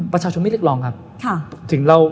ประชาชนไม่เรียกรองครับ